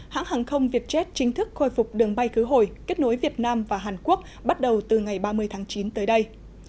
hãng hàng không vietjet chính thức khôi phục đường bay cứu hồi kết nối việt nam và hàn quốc bắt đầu từ ngày ba mươi tháng chín tới đây